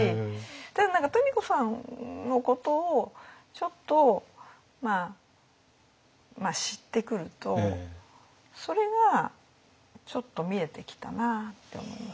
ただ何か富子さんのことをちょっと知ってくるとそれがちょっと見えてきたなって思います。